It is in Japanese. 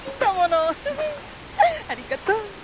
ありがとう。